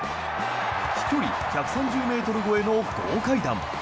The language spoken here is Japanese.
飛距離１３０ｍ超えの豪快弾。